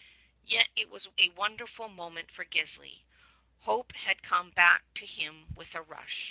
Yet it was a wonderful moment for Gisli. Hope had come back to him with a rush.